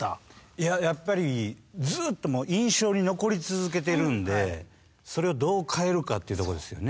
いややっぱりずっともう印象に残り続けてるんでそれをどう変えるかってとこですよね。